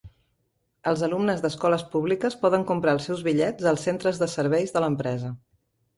Els alumnes d'escoles públiques poden comprar els seus bitllets als centres de serveis de l'empresa.